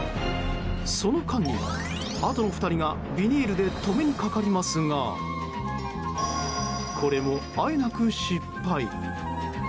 その間に、あとの２人がビニールで止めにかかりますがこれも、あえなく失敗。